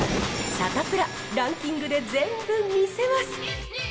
サタプラ、ランキングで全部見せます。